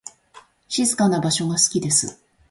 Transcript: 静かな場所が好きです。